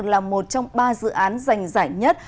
là một trong ba dự án rành rảnh nhất